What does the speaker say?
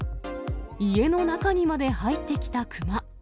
家の中にまで入ってきた熊。